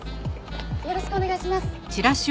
よろしくお願いします。